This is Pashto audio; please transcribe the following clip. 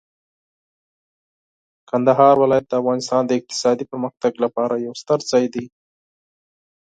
کندهار ولایت د افغانستان د اقتصادي پرمختګ لپاره یو ستر ځای دی.